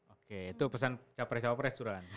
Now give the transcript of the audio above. oke itu pesan cawapres cawapres turan